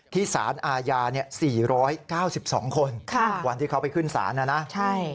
ที่ศาลอาญาเนี่ย๔๙๒คนวันที่เขาไปขึ้นศาลนะนะ